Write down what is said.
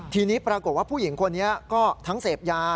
ทีนี้ปรากฏว่าผู้หญิงคนนี้ก็ทั้งเสพยา